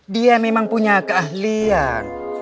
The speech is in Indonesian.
dia memang punya keahlian